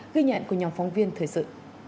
ghi nhận của nhóm phóng viên thời sự